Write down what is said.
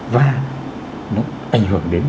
và nó ảnh hưởng đến